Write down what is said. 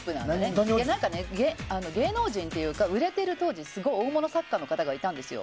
芸能人で当時売れてるすごい大物作家の方がいたんですよ。